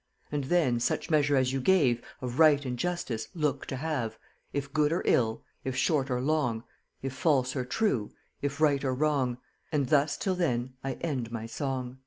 And then, such measure as you gave Of right and justice look to have, If good or ill, if short or long; If false or true, if right or wrong; And thus, till then, I end my song."